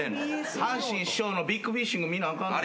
阪神師匠の『ビッグ・フィッシング』見なあかん。